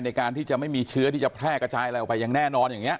ในการที่จะไม่มีเชื้อที่จะแพร่กระจายอะไรออกไปอย่างแน่นอนอย่างนี้